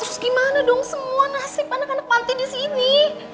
terus gimana dong semua nasib anak anak manti disini